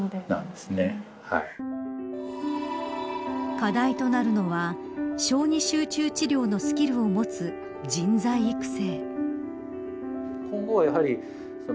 課題となるのは小児集中治療のスキルを持つ人材育成。